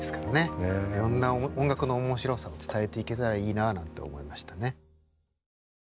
いろんな音楽の面白さを伝えていけたらいいななんて思いましたね。